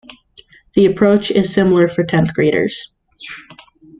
The approach is similar for tenth graders.